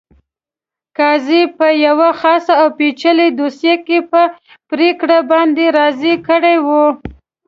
قاضي په یوه خاصه او پېچلې دوسیه کې په پرېکړه باندې راضي کړی وو.